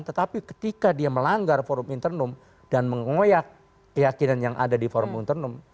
tetapi ketika dia melanggar forum internum dan mengoyak keyakinan yang ada di forum internum